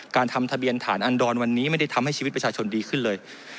ทำทะเบียนฐานอันดรวันนี้ไม่ได้ทำให้ชีวิตประชาชนดีขึ้นเลย